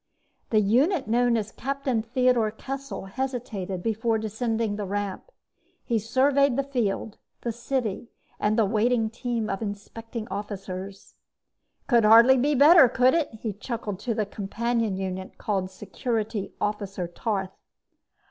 The unit known as Captain Theodor Kessel hesitated before descending the ramp. He surveyed the field, the city and the waiting team of inspecting officers. "Could hardly be better, could it?" he chuckled to the companion unit called Security Officer Tarth.